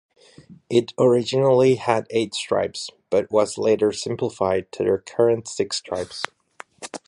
It originally had eight stripes, but was later simplified to the current six stripes.